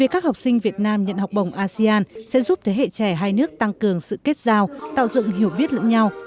các học sinh việt nam nhận học bổng asean sẽ giúp thế hệ trẻ hai nước tăng cường sự kết giao tạo dựng hiểu biết lẫn nhau